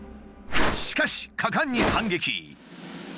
しかし果敢に反撃。